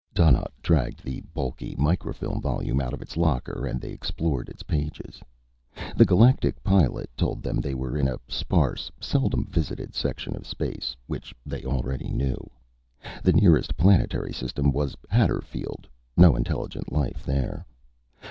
Donnaught dragged the bulky microfilm volume out of its locker, and they explored its pages. The Galactic Pilot told them they were in a sparse, seldom visited section of space, which they already knew. The nearest planetary system was Hatterfield; no intelligent life there.